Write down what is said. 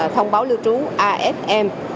thông báo lưu trú asm